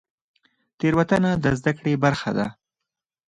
تیروتنه د زده کړې برخه ده